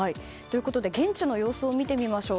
現地の様子を見てみましょう。